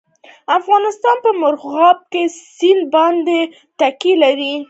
افغانستان په مورغاب سیند باندې تکیه لري.